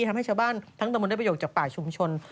ทำให้ชะบานทั้งตำนัดประโยคจากป่าชุมชน